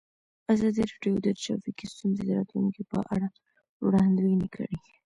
ازادي راډیو د ټرافیکي ستونزې د راتلونکې په اړه وړاندوینې کړې.